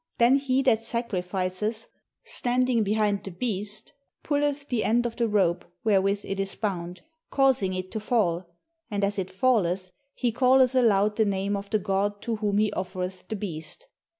Then he that sacrificeth, standing behind the beast, pulleth the end of the rope wherewith it is bound — causing it to fall ; and as it f alleth, he calleth aloud the name of the god to whom he offereth the beast.